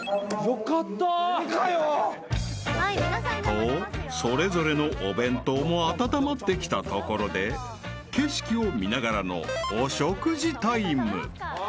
［とそれぞれのお弁当も温まってきたところで景色を見ながらのお食事タイム］